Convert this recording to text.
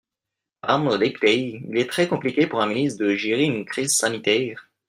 Madame la députée, il est très compliqué pour un ministre de gérer une crise sanitaire.